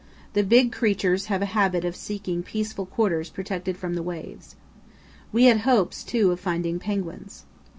The big creatures have a habit of seeking peaceful quarters protected from the waves. We had hopes, too, of finding penguins.